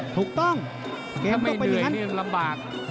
ถูกต้องเกมต้องไปยังงั้น